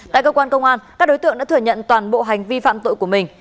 tại cơ quan công an các đối tượng đã thừa nhận toàn bộ hành vi phạm tội của mình